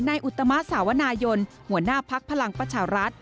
ในอุตมาสสาวนายลหัวหน้าภักด์พลังปัชรัตน์